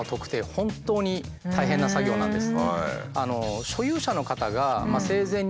本当に大変な作業なんです。